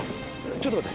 ちょっと待って。